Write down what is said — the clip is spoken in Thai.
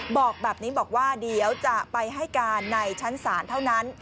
บอกแบบนี้บอกว่าเดี๋ยวจะไปให้การในชั้นศาลเท่านั้น